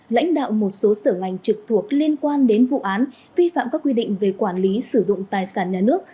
lãnh đạo một số sở ngành trực thuộc liên quan đến vụ án vi phạm các quy định về quản lý sử dụng tài sản nhà nước